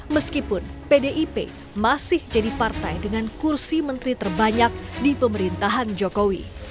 meskipun pdip masih jadi partai dengan kursi menteri terbanyak di pemerintahan jokowi